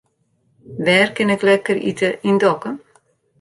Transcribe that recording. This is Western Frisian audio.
Wêr kin ik lekker ite yn Dokkum?